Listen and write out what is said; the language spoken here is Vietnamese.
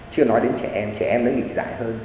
chưa nói đến trẻ em trẻ em nó nghịch dại hơn